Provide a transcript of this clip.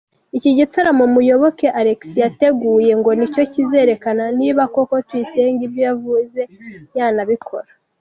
Iki gitaramo Muyoboke Alex yateguye ngo nicyo kizerekana niba koko Tuyisenge ibyo yavuze yanabikora.